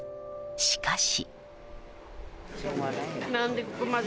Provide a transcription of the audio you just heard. しかし。